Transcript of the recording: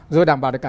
rồi đảm bảo được